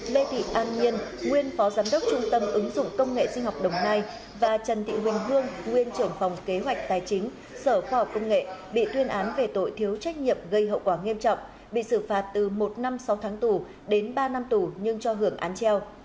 lê thị an nhiên nguyên phó giám đốc trung tâm ứng dụng công nghệ sinh học đồng nai và trần thị huỳnh hương nguyên trưởng phòng kế hoạch tài chính sở khoa học công nghệ bị tuyên án về tội thiếu trách nhiệm gây hậu quả nghiêm trọng bị xử phạt từ một năm sáu tháng tù đến ba năm tù nhưng cho hưởng án treo